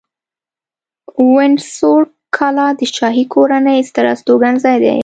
وینډسور کلا د شاهي کورنۍ ستر استوګنځی دی.